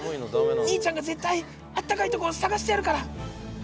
兄ちゃんが絶対あったかいところ探してやるから。